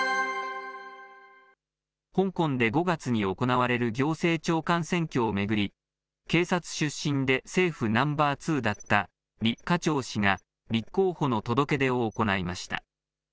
香港で５月に行われる行政長官選挙を巡り、警察出身で政府ナンバー２だった李家超氏が立候補の届け出を行いました。